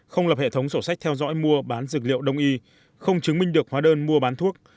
không lập hệ thống sổ sách theo dõi mua bán dược liệu đông y không chứng minh được hóa đơn mua bán thuốc